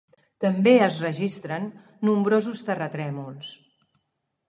També es registren nombrosos terratrèmols.